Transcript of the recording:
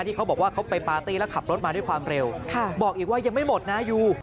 เขาบอกว่าเขาไปปาร์ตี้แล้วขับรถมาด้วยความเร็วบอกอีกว่ายังไม่หมดนะยู